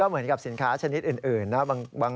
เหมือนกับสินค้าชนิดอื่นนะ